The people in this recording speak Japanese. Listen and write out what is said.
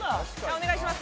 お願いします！